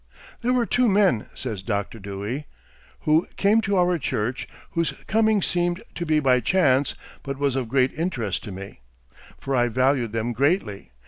"There were two men," says Dr. Dewey, "who came to our church whose coming seemed to be by chance, but was of great interest to me, for I valued them greatly.